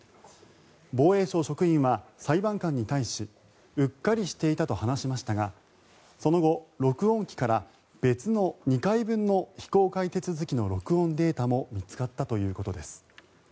防衛省職員は裁判官に対しうっかりしていたと話しましたがその後、録音機から別の２回分の非公開手続きの録音データも見つかったということです。